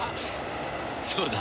そうだ。